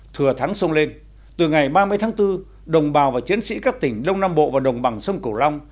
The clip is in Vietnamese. thừa thắng sông lên từ ngày ba mươi tháng bốn đồng bào và chiến sĩ các tỉnh đông nam bộ và đồng bằng sông cửu long